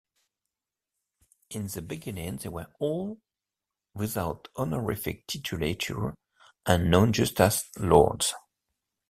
In the beginning, they were all without honorific titulature, and known just as "lords".